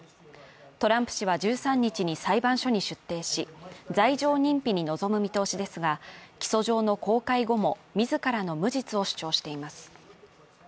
トランプ氏は１３日に裁判所に出廷し、罪状認否に臨む見通しですが、起訴状の公開後も自らの無実を主張しています。